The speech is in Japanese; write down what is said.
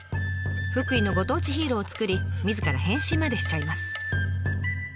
福井のご当地ヒーローを作りみずから変身までしちゃいます。